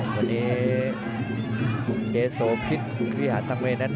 วันนี้เกศโสพิษวิหารทางเมนัท